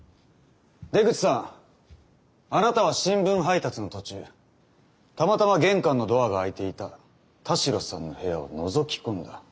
出口さんあなたは新聞配達の途中たまたま玄関のドアが開いていた田代さんの部屋をのぞき込んだ。